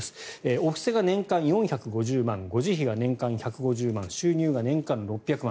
お布施が年間４５０万円護持費が年間１５０万円収入が年間６００万。